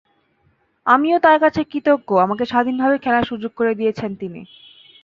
আমি তাঁর কাছে কৃতজ্ঞ, আমাকে স্বাধীনভাবে খেলার সুযোগ করে দিয়েছেন তিনি।